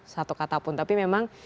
satu kata pun tapi memang